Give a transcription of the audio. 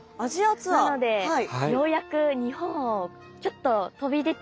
なのでようやく日本をちょっと飛び出て。